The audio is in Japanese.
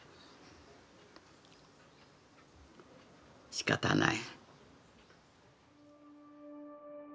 しかたない。